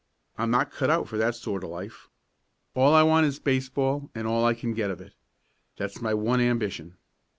I'm not cut out for that sort of life. All I want is baseball and all I can get of it. That's my one ambition."